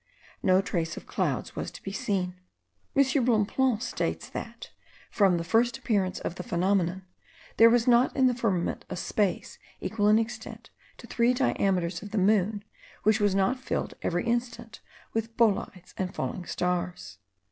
No trace of clouds was to be seen. M. Bonpland states that, from the first appearance of the phenomenon, there was not in the firmament a space equal in extent to three diameters of the moon, which was not filled every instant with bolides and falling stars.